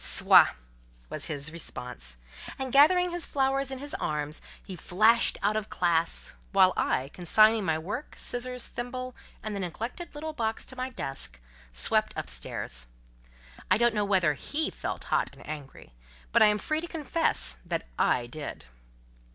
"Soit!" was his response; and, gathering his flowers in his arms, he flashed out of classe; while I, consigning my work, scissors, thimble, and the neglected little box, to my desk, swept up stairs. I don't know whether he felt hot and angry, but I am free to confess that I did.